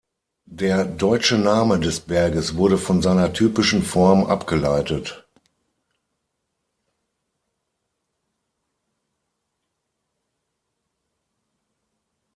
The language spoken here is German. Der deutsche Name des Berges wurde von seiner typischen Form abgeleitet.